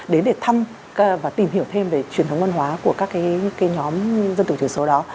đến để thăm và tìm hiểu thêm về truyền thống văn hóa của các nhóm dân tộc thiểu số đó